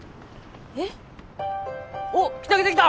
えっ？おっ来た来た来た！